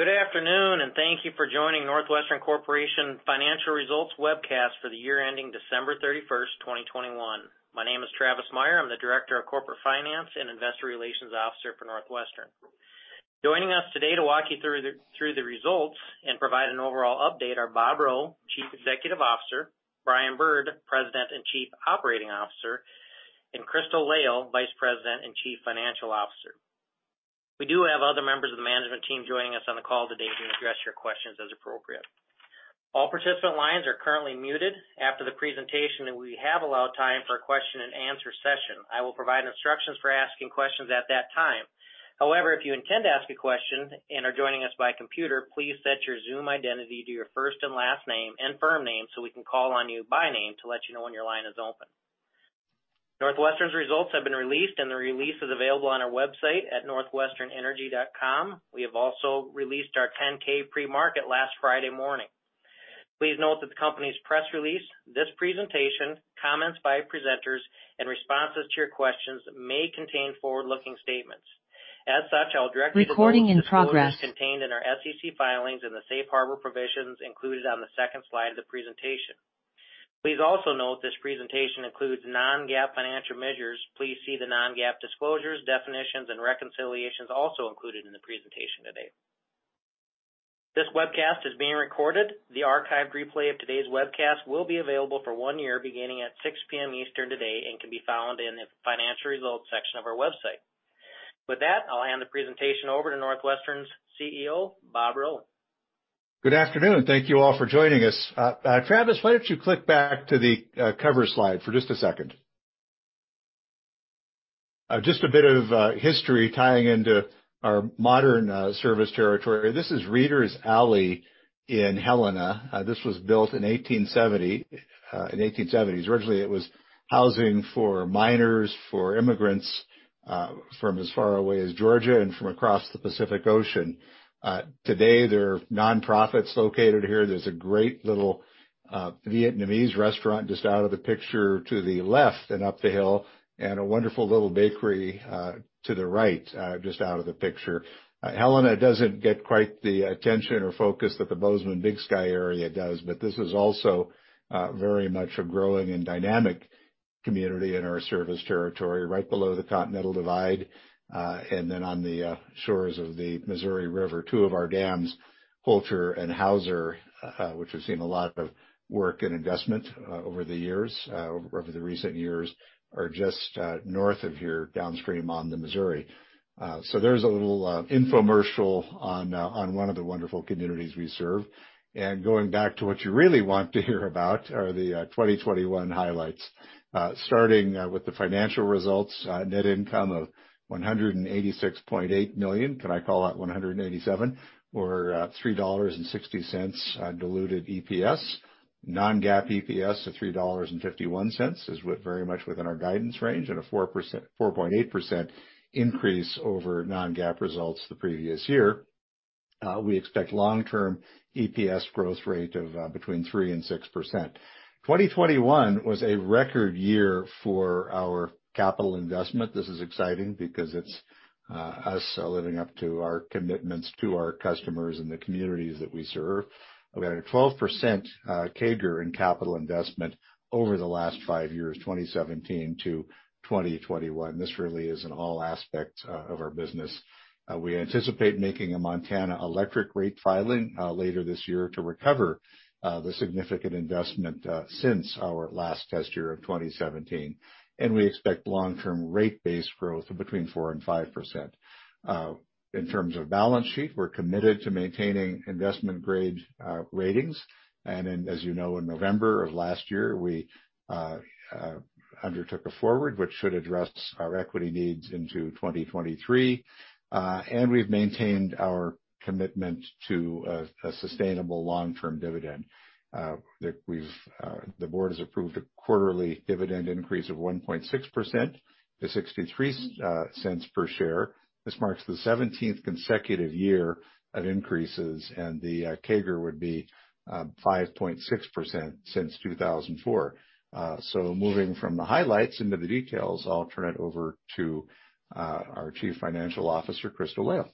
Good afternoon, and thank you for joining NorthWestern Corporation financial results webcast for the year ending December 31st, 2021. My name is Travis Meyer. I'm the Director of Corporate Finance and Investor Relations Officer for NorthWestern. Joining us today to walk you through the results and provide an overall update are Bob Rowe, Chief Executive Officer, Brian Bird, President and Chief Operating Officer, and Crystal Lail, Vice President and Chief Financial Officer. We do have other members of the management team joining us on the call today to address your questions as appropriate. All participant lines are currently muted. After the presentation, we have allowed time for a question-and-answer session. I will provide instructions for asking questions at that time. However, if you intend to ask a question and are joining us by computer, please set your Zoom identity to your first and last name and firm name so we can call on you by name to let you know when your line is open. NorthWestern's results have been released, and the release is available on our website at northwesternenergy.com. We have also released our 10-K pre-market last Friday morning. Please note that the company's press release, this presentation, comments by presenters, and responses to your questions may contain forward-looking statements. As such, I'll directly- Recording in progress Disclosures contained in our SEC filings and the safe harbor provisions included on the second slide of the presentation. Please also note this presentation includes non-GAAP financial measures. Please see the non-GAAP disclosures, definitions, and reconciliations also included in the presentation today. This webcast is being recorded. The archived replay of today's webcast will be available for one year beginning at 6 P.M. Eastern today and can be found in the Financial Results section of our website. With that, I'll hand the presentation over to NorthWestern's CEO, Bob Rowe. Good afternoon. Thank you all for joining us. Travis, why don't you click back to the cover slide for just a second? Just a bit of history tying into our modern service territory. This is Reeder's Alley in Helena. This was built in 1870, in 1870s. Originally, it was housing for miners, for immigrants from as far away as Georgia and from across the Pacific Ocean. Today, there are nonprofits located here. There's a great little Vietnamese restaurant just out of the picture to the left and up the hill, and a wonderful little bakery to the right, just out of the picture. Helena doesn't get quite the attention or focus that the Bozeman-Big Sky area does, but this is also very much a growing and dynamic community in our service territory, right below the Continental Divide. And then on the shores of the Missouri River, two of our dams, Holter and Hauser, which have seen a lot of work and investment over the years, over the recent years, are just north of here, downstream on the Missouri. There's a little infomercial on one of the wonderful communities we serve. Going back to what you really want to hear about are the 2021 highlights. Starting with the financial results, net income of $186.8 million. Can I call out $187 million? $3.60 undiluted EPS. Non-GAAP EPS of $3.51 is very much within our guidance range at a 4.8% increase over non-GAAP results the previous year. We expect long-term EPS growth rate of between 3% and 6%. 2021 was a record year for our capital investment. This is exciting because it's us living up to our commitments to our customers and the communities that we serve. We had a 12% CAGR in capital investment over the last five years, 2017 to 2021. This really is in all aspects of our business. We anticipate making a Montana electric rate filing later this year to recover the significant investment since our last test year of 2017, and we expect long-term rate base growth of between 4%-5%. In terms of balance sheet, we're committed to maintaining investment-grade ratings. As you know, in November of last year, we undertook a forward, which should address our equity needs into 2023. We've maintained our commitment to a sustainable long-term dividend that the board has approved a quarterly dividend increase of 1.6% to $0.63 per share. This marks the seventeenth consecutive year of increases, and the CAGR would be 5.6% since 2004. Moving from the highlights into the details, I'll turn it over to our Chief Financial Officer, Crystal Lail.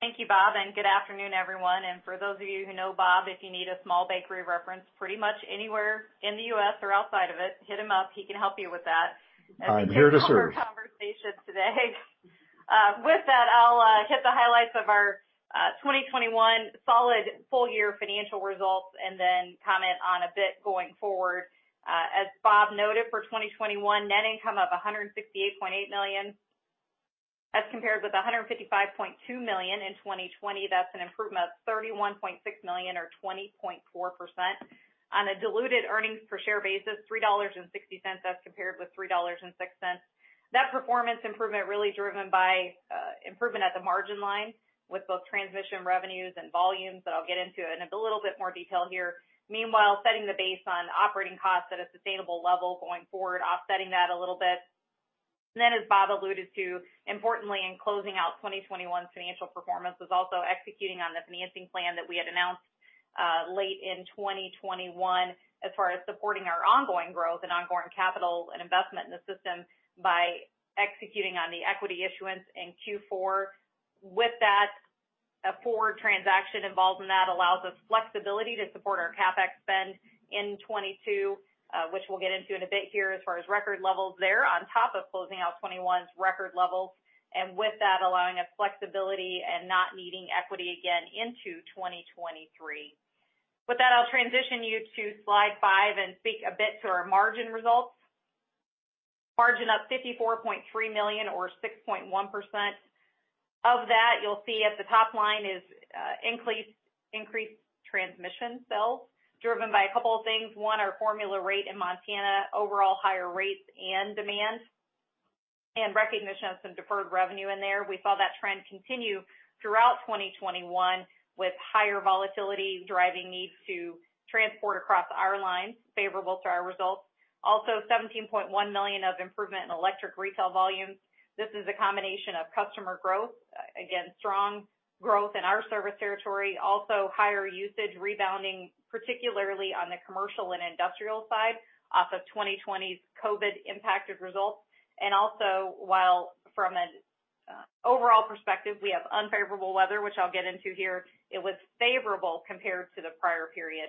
Thank you, Bob, and good afternoon, everyone. For those of you who know Bob, if you need a small bakery reference pretty much anywhere in the U.S. or outside of it, hit him up. He can help you with that. I'm here to serve. We had a number of conversations today. With that, I'll hit the highlights of our 2021 solid full-year financial results and then comment on a bit going forward. As Bob noted, for 2021, net income of $168.8 million, as compared with $155.2 million in 2020. That's an improvement of $31.6 million or 20.4%. On a diluted earnings per share basis, $3.60 as compared with $3.06. That performance improvement really driven by improvement at the margin line with both transmission revenues and volumes that I'll get into in a little bit more detail here. Meanwhile, setting the base on operating costs at a sustainable level going forward, offsetting that a little bit. As Bob alluded to, importantly, in closing out 2021 financial performance was also executing on the financing plan that we had announced. Late in 2021, as far as supporting our ongoing growth and ongoing capital and investment in the system by executing on the equity issuance in Q4. With that, a forward transaction involved in that allows us flexibility to support our CapEx spend in 2022, which we'll get into in a bit here as far as record levels there on top of closing out 2021's record levels. With that, allowing us flexibility and not needing equity again into 2023. With that, I'll transition you to Slide 5 and speak a bit to our margin results. Margin up $54.3 million or 6.1%. Of that, you'll see at the top line is increased transmission sales driven by a couple of things. One, our formula rate in Montana, overall higher rates and demand, and recognition of some deferred revenue in there. We saw that trend continue throughout 2021 with higher volatility driving needs to transport across our lines, favorable to our results. Also $17.1 million of improvement in electric retail volumes. This is a combination of customer growth, again, strong growth in our service territory. Also higher usage rebounding, particularly on the commercial and industrial side off of 2020's COVID impacted results. Also, while from an overall perspective, we have unfavorable weather, which I'll get into here, it was favorable compared to the prior period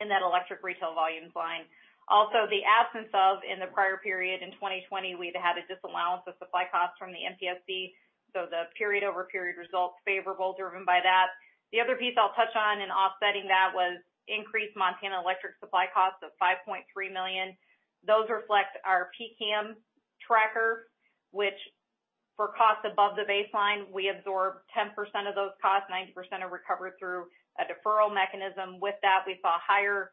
in that electric retail volumes line. Also, the absence of in the prior period in 2020, we'd had a disallowance of supply costs from the MPSC, so the period-over-period results favorable driven by that. The other piece I'll touch on in offsetting that was increased Montana electric supply costs of $5.3 million. Those reflect our PCCAM tracker, which for costs above the baseline, we absorb 10% of those costs, 90% are recovered through a deferral mechanism. With that, we saw higher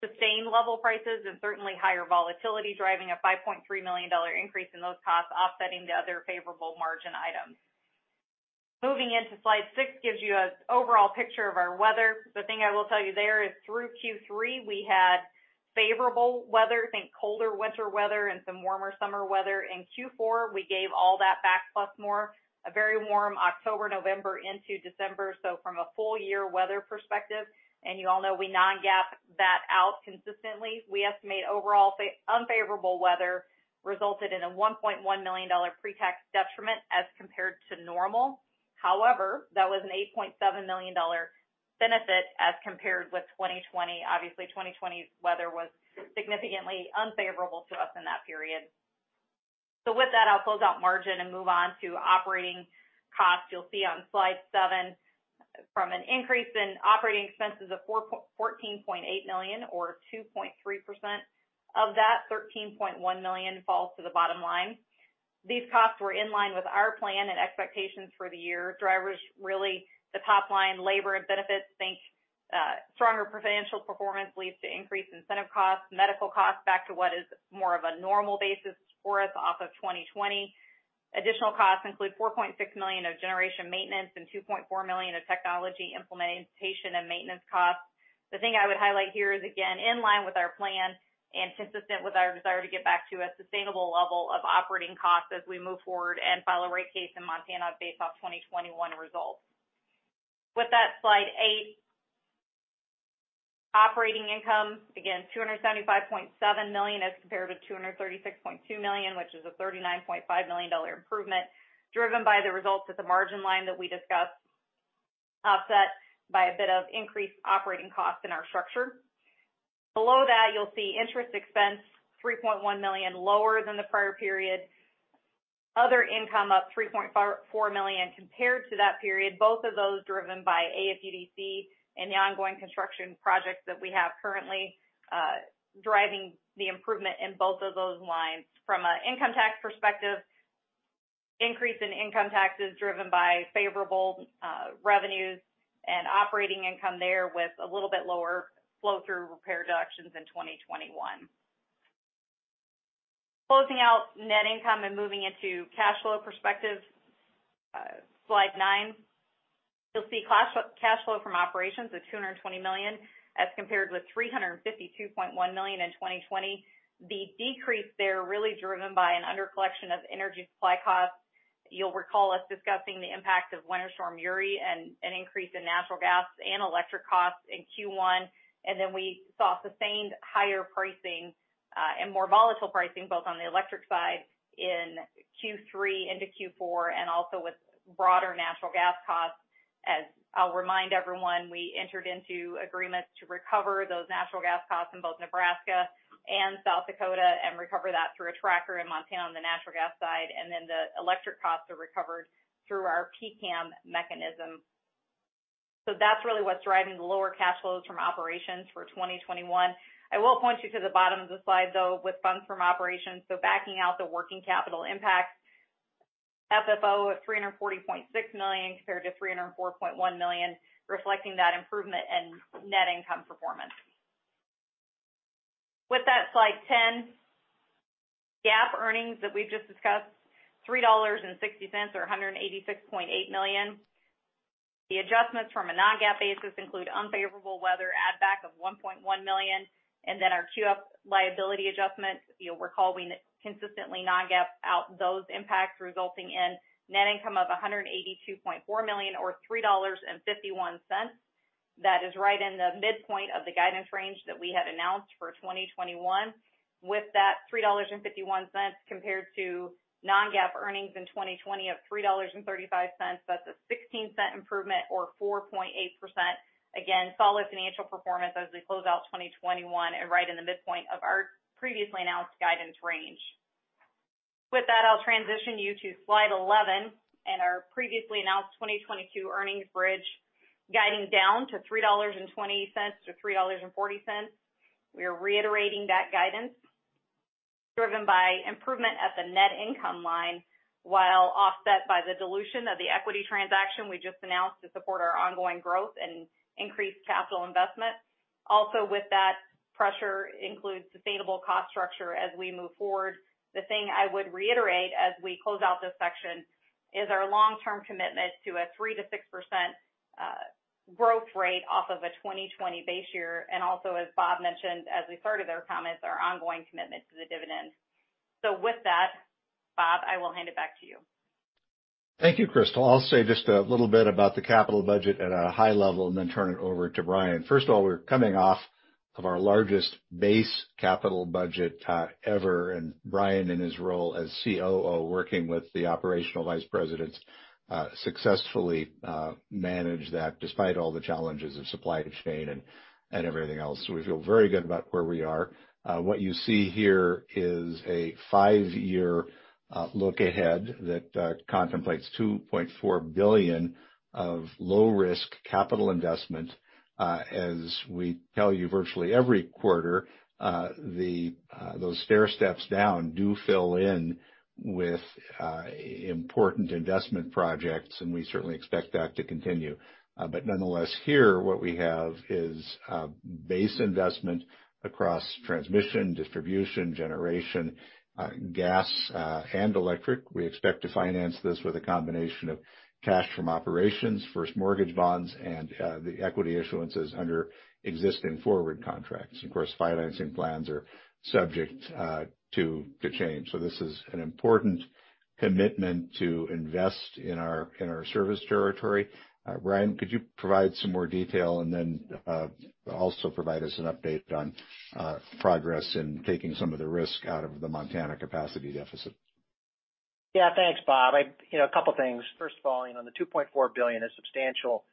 sustained level prices and certainly higher volatility driving a $5.3 million increase in those costs, offsetting the other favorable margin items. Moving into Slide 6 gives you an overall picture of our weather. The thing I will tell you there is through Q3, we had favorable weather. Think colder winter weather and some warmer summer weather. In Q4, we gave all that back, plus more. A very warm October, November into December. From a full-year weather perspective, and you all know we non-GAAP that out consistently, we estimate overall unfavorable weather resulted in a $1.1 million pre-tax detriment as compared to normal. However, that was an $8.7 million benefit as compared with 2020. Obviously, 2020's weather was significantly unfavorable to us in that period. With that, I'll close out margin and move on to operating costs. You'll see on Slide 7 from an increase in operating expenses of $14.8 million or 2.3%. Of that, $13.1 million falls to the bottom line. These costs were in line with our plan and expectations for the year. Drivers, really the top line, labor and benefits. I think stronger financial performance leads to increased incentive costs, medical costs back to what is more of a normal basis for us off of 2020. Additional costs include $4.6 million of generation maintenance and $2.4 million of technology implementation and maintenance costs. The thing I would highlight here is, again, in line with our plan and consistent with our desire to get back to a sustainable level of operating costs as we move forward and file a rate case in Montana based off 2021 results. With that, Slide 8. Operating income, again, $275.7 million as compared to $236.2 million, which is a $39.5 million improvement driven by the results at the margin line that we discussed, offset by a bit of increased operating costs in our structure. Below that, you'll see interest expense $3.1 million lower than the prior period. Other income up $3.44 million compared to that period. Both of those driven by AFUDC and the ongoing construction projects that we have currently driving the improvement in both of those lines. From an income tax perspective, increase in income taxes driven by favorable revenues and operating income there with a little bit lower flow-through repair deductions in 2021. Closing out net income and moving into cash flow perspective. Slide 9. You'll see cash flow from operations of $220 million as compared with $352.1 million in 2020. The decrease there really driven by an under collection of energy supply costs. You'll recall us discussing the impact of Winter Storm Uri and an increase in natural gas and electric costs in Q1. Then we saw sustained higher pricing, and more volatile pricing both on the electric side in Q3 into Q4, and also with broader natural gas costs. As I'll remind everyone, we entered into agreements to recover those natural gas costs in both Nebraska and South Dakota and recover that through a tracker in Montana on the natural gas side, and then the electric costs are recovered through our PCCAM mechanism. That's really what's driving the lower cash flows from operations for 2021. I will point you to the bottom of the slide, though, with funds from operations. Backing out the working capital impact, FFO at $340.6 million compared to $304.1 million, reflecting that improvement in net income performance. With that, Slide 10. GAAP earnings that we've just discussed, $3.60 or $186.8 million. The adjustments from a non-GAAP basis include unfavorable weather add back of $1.1 million. And then our QF liability adjustment, you'll recall we consistently non-GAAP out those impacts resulting in net income of $182.4 million or $3.51. That is right in the midpoint of the guidance range that we had announced for 2021. With that $3.51 compared to non-GAAP earnings in 2020 of $3.35, that's a $0.16 improvement or 4.8%. Again, solid financial performance as we close out 2021 and right in the midpoint of our previously announced guidance range. With that, I'll transition you to Slide 11 and our previously announced 2022 earnings bridge guiding down to $3.20-$3.40. We are reiterating that guidance driven by improvement at the net income line, while offset by the dilution of the equity transaction we just announced to support our ongoing growth and increased capital investment. Also with that pressure includes sustainable cost structure as we move forward. The thing I would reiterate as we close out this section is our long-term commitment to a 3%-6% growth rate off of a 2020 base year, and also, as Bob mentioned as we started their comments, our ongoing commitment to the dividend. With that, Bob, I will hand it back to you. Thank you, Crystal. I'll say just a little bit about the capital budget at a high level, and then turn it over to Brian. First of all, we're coming off of our largest base capital budget ever, and Brian, in his role as COO, working with the operational vice presidents, successfully managed that despite all the challenges of supply chain and everything else. We feel very good about where we are. What you see here is a five-year look ahead that contemplates $2.4 billion of low risk capital investment. As we tell you virtually every quarter, those stair steps down do fill in with important investment projects, and we certainly expect that to continue. Nonetheless, here, what we have is base investment across transmission, distribution, generation, gas, and electric. We expect to finance this with a combination of cash from operations, first mortgage bonds, and the equity issuances under existing forward contracts. Of course, financing plans are subject to change. This is an important commitment to invest in our service territory. Brian, could you provide some more detail and then also provide us an update on progress in taking some of the risk out of the Montana capacity deficit? Yeah. Thanks, Bob. You know, a couple things. First of all, you know, the $2.4 billion is substantial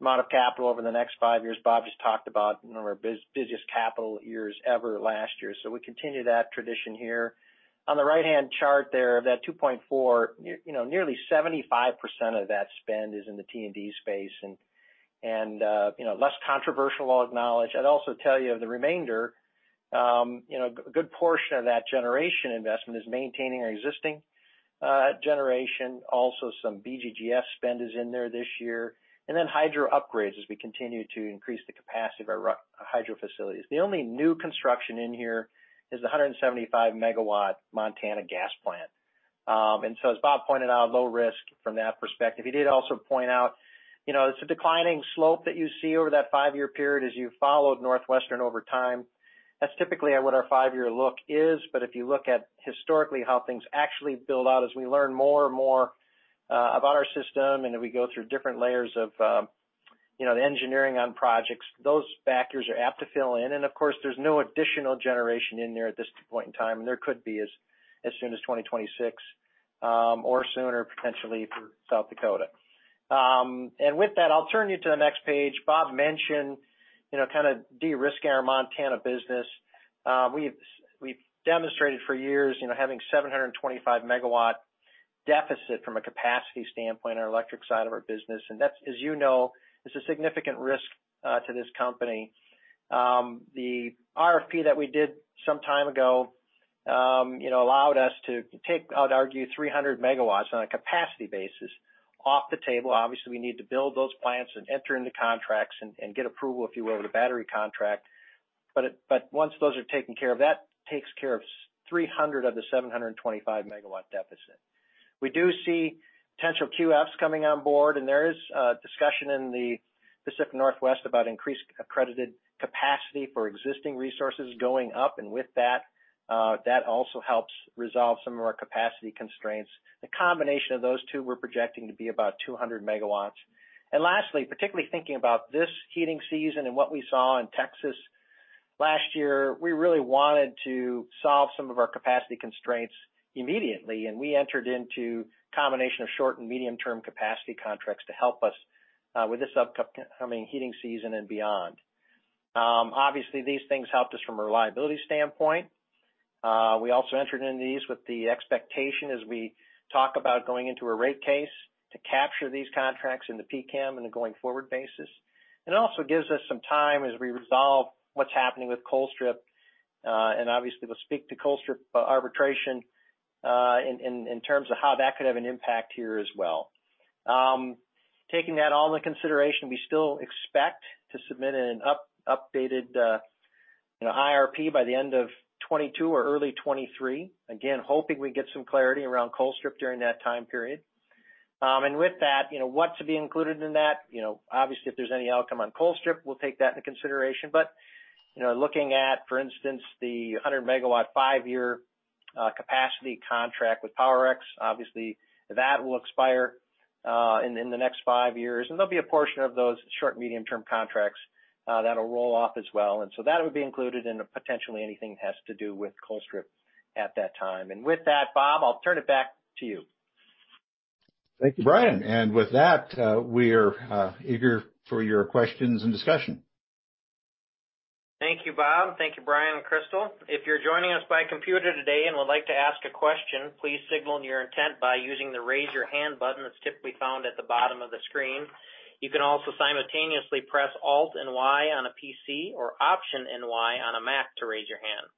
amount of capital over the next five years Bob just talked about. One of our busiest capital years ever last year. We continue that tradition here. On the right-hand chart there, that $2.4 billion, you know, nearly 75% of that spend is in the T&D space and, you know, less controversial, acknowledge. I'd also tell you the remainder, you know, a good portion of that generation investment is maintaining our existing generation. Also, some BGGF spend is in there this year, and then hydro upgrades as we continue to increase the capacity of our hydro facilities. The only new construction in here is the 175-MW Montana gas plant. As Bob pointed out, low risk from that perspective. He did also point out, you know, it's a declining slope that you see over that five-year period as you followed NorthWestern over time. That's typically what our five-year look is. But if you look at historically how things actually build out as we learn more and more about our system and as we go through different layers of, you know, the engineering on projects, those factors are apt to fill in. And of course, there's no additional generation in there at this point in time, and there could be as soon as 2026, or sooner, potentially for South Dakota. With that, I'll turn you to the next page. Bob mentioned, you know, kind of de-risk our Montana business. We've demonstrated for years, you know, having 725-MW deficit from a capacity standpoint on our electric side of our business, and that's, as you know, a significant risk to this company. The RFP that we did some time ago, you know, allowed us to take, I'd argue, 300 MW on a capacity basis off the table. Obviously, we need to build those plants and enter into contracts and get approval, if you will, with the battery contract. Once those are taken care of, that takes care of 300 of the 725-MW deficit. We do see potential QFs coming on board, and there is discussion in the Pacific Northwest about increased accredited capacity for existing resources going up. With that also helps resolve some of our capacity constraints. The combination of those two, we're projecting to be about 200 MW. Lastly, particularly thinking about this heating season and what we saw in Texas last year, we really wanted to solve some of our capacity constraints immediately, and we entered into combination of short and medium-term capacity contracts to help us with this upcoming heating season and beyond. Obviously, these things helped us from a reliability standpoint. We also entered into these with the expectation as we talk about going into a rate case to capture these contracts in the PCCAM on a going forward basis. It also gives us some time as we resolve what's happening with Colstrip, and obviously we'll speak to Colstrip arbitration in terms of how that could have an impact here as well. Taking that all into consideration, we still expect to submit an updated, you know, IRP by the end of 2022 or early 2023. Again, hoping we get some clarity around Colstrip during that time period. With that, you know, what to be included in that? You know, obviously, if there's any outcome on Colstrip, we'll take that into consideration. You know, looking at, for instance, the 100 MW five-year capacity contract with Powerex, obviously that will expire in the next five years. There'll be a portion of those short medium-term contracts that'll roll off as well. That would be included in potentially anything has to do with Colstrip at that time. With that, Bob, I'll turn it back to you. Thank you, Brian. With that, we are eager for your questions and discussion. Thank you, Bob. Thank you, Brian and Crystal. If you're joining us by computer today and would like to ask a question, please signal your intent by using the Raise Your Hand button that's typically found at the bottom of the screen. You can also simultaneously press Alt and Y on a PC or Option and Y on a Mac to raise your hand.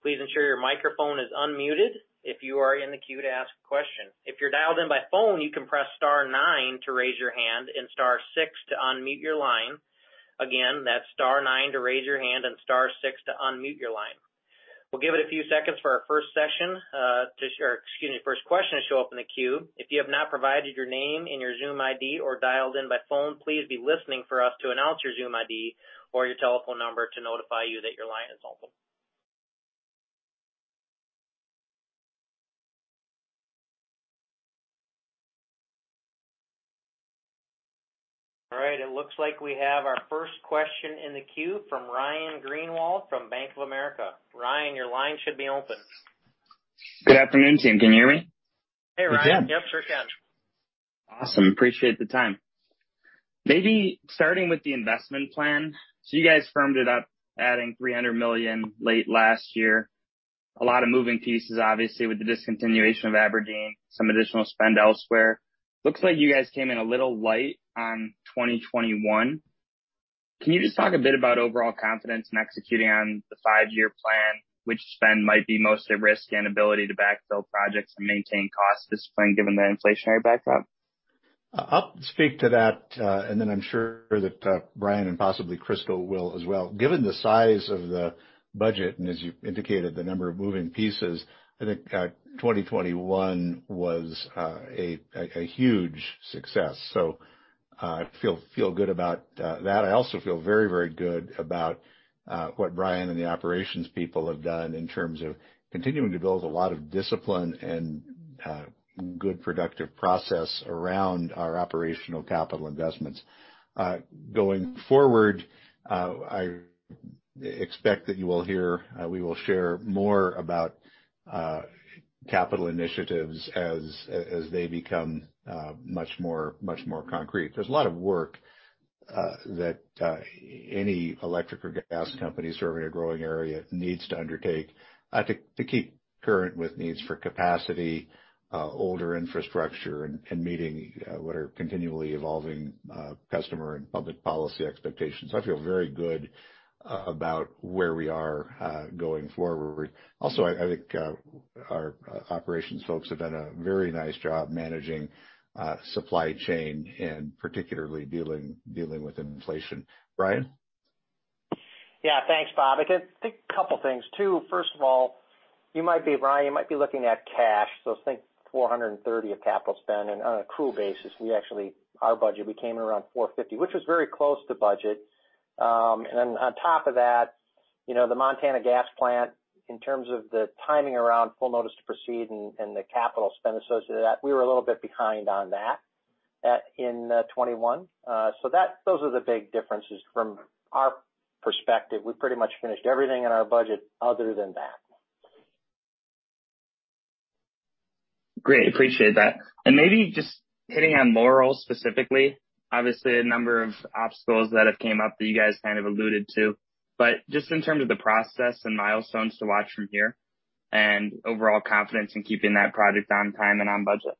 Please ensure your microphone is unmuted if you are in the queue to ask a question. If you're dialed in by phone, you can press star nine to raise your hand and star six to unmute your line. Again, that's star nine to raise your hand and star six to unmute your line. We'll give it a few seconds for our first session, first question to show up in the queue. If you have not provided your name and your Zoom ID or dialed in by phone, please be listening for us to announce your Zoom ID or your telephone number to notify you that your line is open. All right, it looks like we have our first question in the queue from Ryan Greenwald from Bank of America. Ryan, your line should be open. Good afternoon, team. Can you hear me? Hey, Ryan. We can. Yep, sure can. Awesome. Appreciate the time. Maybe starting with the investment plan. You guys firmed it up, adding $300 million late last year. A lot of moving pieces, obviously, with the discontinuation of Aberdeen, some additional spend elsewhere. Looks like you guys came in a little light on 2021. Can you just talk a bit about overall confidence in executing on the five-year plan, which spend might be most at risk, and ability to backfill projects and maintain cost discipline given the inflationary backdrop? I'll speak to that, and then I'm sure that, Brian and possibly Crystal will as well. Given the size of the budget, and as you indicated, the number of moving pieces, I think, 2021 was a huge success, so I feel good about that. I also feel very, very good about what Brian and the operations people have done in terms of continuing to build a lot of discipline and good productive process around our operational capital investments. Going forward, I expect that you will hear we will share more about capital initiatives as they become much more concrete. There's a lot of work that any electric or gas company serving a growing area needs to undertake, I think, to keep current with needs for capacity, older infrastructure and meeting what are continually evolving customer and public policy expectations. I feel very good about where we are going forward. Also, I think our operations folks have done a very nice job managing supply chain and particularly dealing with inflation. Brian? Yeah. Thanks, Bob. I think a couple of things, too. First of all, Ryan, you might be looking at cash, so think $430 of capital spend. On an accrual basis, our budget, we came in around $450, which was very close to budget. On top of that, you know, the Montana Gas plant, in terms of the timing around full notice to proceed and the capital spend associated to that, we were a little bit behind on that in 2021. Those are the big differences from our perspective. We pretty much finished everything in our budget other than that. Great. Appreciate that. Maybe just hitting on Laurel specifically. Obviously, a number of obstacles that have come up that you guys kind of alluded to, but just in terms of the process and milestones to watch from here and overall confidence in keeping that project on time and on budget.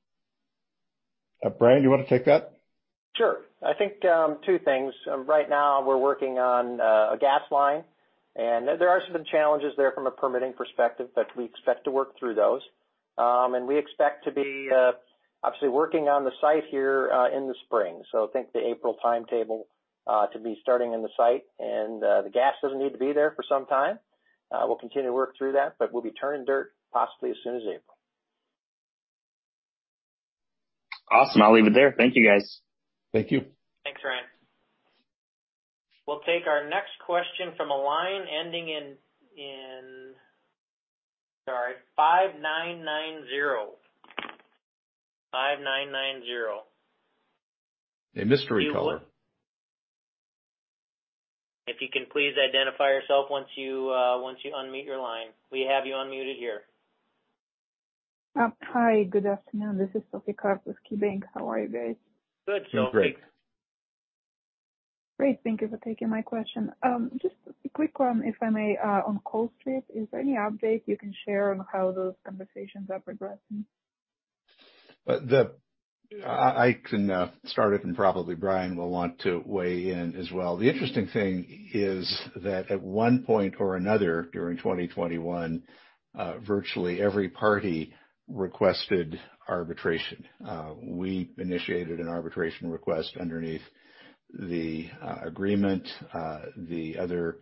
Brian, you want to take that? Sure. I think two things. Right now we're working on a gas line, and there are some challenges there from a permitting perspective, but we expect to work through those. We expect to be obviously working on the site here in the spring. Think the April timetable to be starting on the site. The gas doesn't need to be there for some time. We'll continue to work through that, but we'll be turning dirt possibly as soon as April. Awesome. I'll leave it there. Thank you, guys. Thank you. Thanks, Ryan. We'll take our next question from a line ending in 5990. A mystery caller. If you can please identify yourself once you unmute your line. We have you unmuted here. Hi, good afternoon. This is Sophie Karp with KeyBanc. How are you guys? Good. Doing great. Great. Thank you for taking my question. Just a quick one, if I may, on Colstrip. Is there any update you can share on how those conversations are progressing? I can start it, and probably Brian will want to weigh in as well. The interesting thing is that at one point or another during 2021, virtually every party requested arbitration. We initiated an arbitration request under the agreement. The other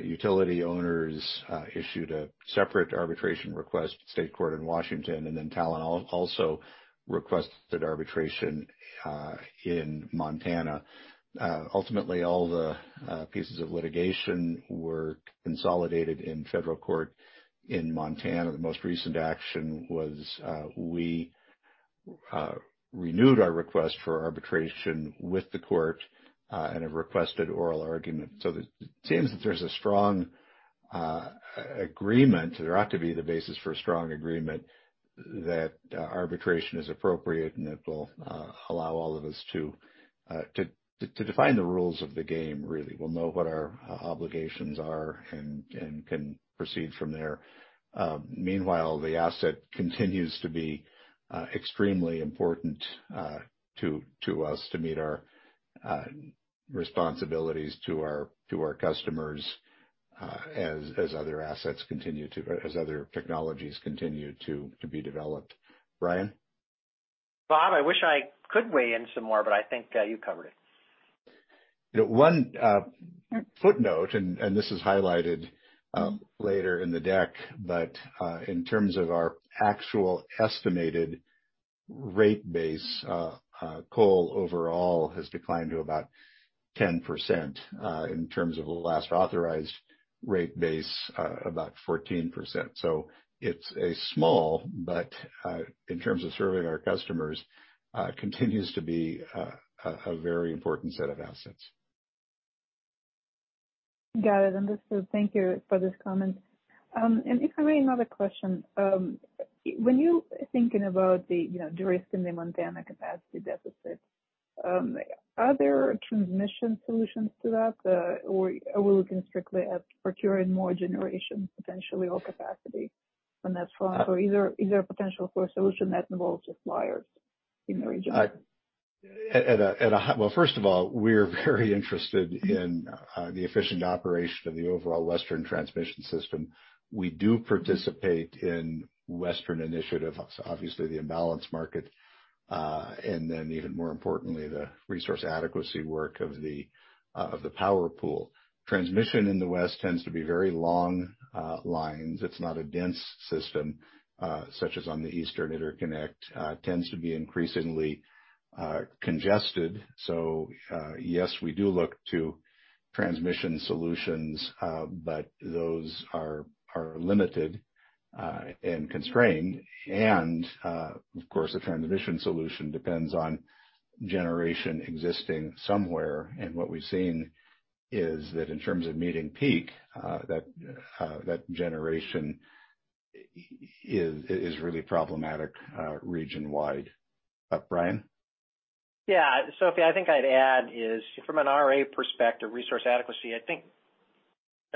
utility owners issued a separate arbitration request in state court in Washington, and then Talen also requested arbitration in Montana. Ultimately, all the pieces of litigation were consolidated in federal court in Montana. The most recent action was we renewed our request for arbitration with the court and have requested oral argument. It seems that there's a strong agreement. There ought to be the basis for a strong agreement that arbitration is appropriate and that will allow all of us to define the rules of the game, really. We'll know what our obligations are and can proceed from there. Meanwhile, the asset continues to be extremely important to us to meet our responsibilities to our customers, as other technologies continue to be developed. Brian? Bob, I wish I could weigh in some more, but I think you covered it. One footnote, and this is highlighted later in the deck, but in terms of our actual estimated rate base, coal overall has declined to about 10%, in terms of the last authorized rate base, about 14%. It's a small, but in terms of serving our customers, it continues to be a very important set of assets. Got it. Understood. Thank you for this comment. If I may, another question. When you are thinking about the, you know, the risk in the Montana capacity deficit, are there transmission solutions to that, or are we looking strictly at procuring more generation, potentially, or capacity from that front? Or is there a potential for a solution that involves suppliers in the region? First of all, we're very interested in the efficient operation of the overall Western transmission system. We do participate in Western initiative, obviously the imbalance market, and then even more importantly, the resource adequacy work of the power pool. Transmission in the West tends to be very long lines. It's not a dense system such as on the Eastern Interconnection. It tends to be increasingly congested. Yes, we do look to transmission solutions, but those are limited and constrained. Of course, the transmission solution depends on generation existing somewhere. What we've seen is that in terms of meeting peak, that generation is really problematic region-wide. Brian? Yeah. Sophie, I think I'd add is from an RA perspective, resource adequacy. I think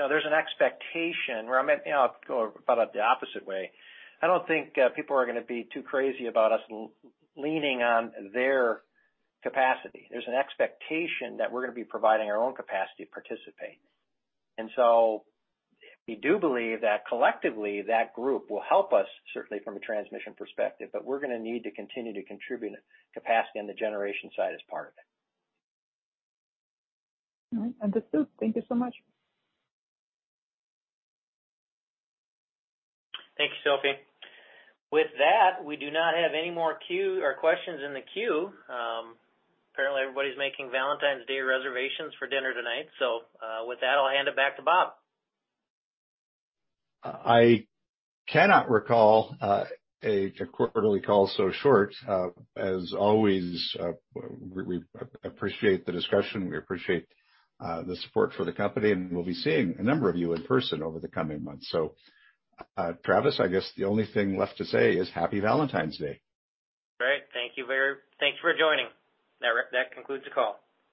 there's an expectation where I'm at, you know. I'll go about it the opposite way. I don't think people are gonna be too crazy about us leaning on their capacity. There's an expectation that we're gonna be providing our own capacity to participate. We do believe that collectively, that group will help us, certainly from a transmission perspective, but we're gonna need to continue to contribute capacity on the generation side as part of it. All right. Understood. Thank you so much. Thank you, Sophie. With that, we do not have any more queue or questions in the queue. Apparently, everybody's making Valentine's Day reservations for dinner tonight. With that, I'll hand it back to Bob. I cannot recall a quarterly call so short. As always, we appreciate the discussion. We appreciate the support for the company, and we'll be seeing a number of you in person over the coming months. Travis, I guess the only thing left to say is Happy Valentine's Day. Great. Thanks for joining. That concludes the call.